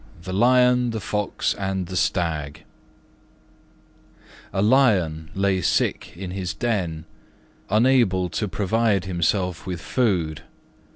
THE LION, THE FOX, AND THE STAG A Lion lay sick in his den, unable to provide himself with food.